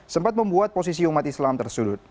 sempat membuat posisi umat islam tersudut